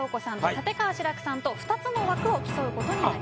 立川志らくさんと２つの枠を競うことになります。